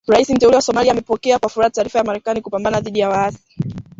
Rais Mteule wa Somalia amepokea kwa furaha taarifa ya Marekani kupambana dhidi ya waasi